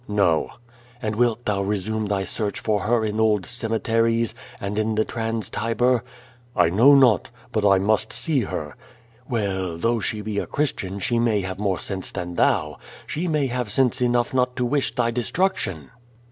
"No." "And wilt thou resume thy search for her in old cemeteries and in the Trans Tiber?" "I know not. But I must see her." "Well, though slie be a Christian she may have more sense than thou. She may liave sense enough not to wish thy de struction."